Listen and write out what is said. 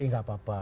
eh gak apa apa